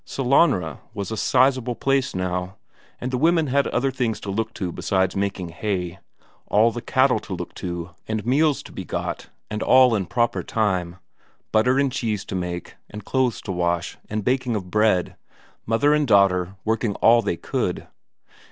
Sellanraa was a sizeable place now, and the women had other things to look to besides making hay; all the cattle to look to, and meals to be got, and all in proper time; butter and cheese to make, and clothes to wash, and baking of bread; mother and daughter working all they could.